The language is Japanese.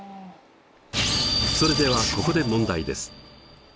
それではここで問題です。